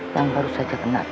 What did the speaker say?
yang baru saja kena